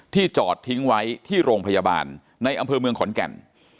จอดทิ้งไว้ที่โรงพยาบาลในอำเภอเมืองขอนแก่น